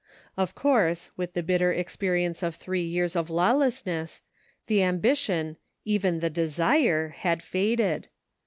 Of course, with the bitter experience of three years of lawlessness, the ambition, even the desire, had faded.